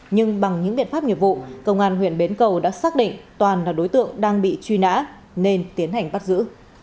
nhưng bằng những biện pháp nghiệp vụ công an huyện bến cầu đã xác định toàn là đối tượng đang bị truy nã nên tiến hành bắt giữ